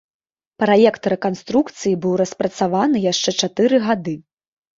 Праект рэканструкцыі быў распрацаваны яшчэ чатыры гады.